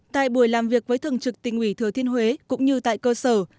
tại buổi làm việc với thường trực tỉnh ủy thừa thiên huế cũng như tại cơ sở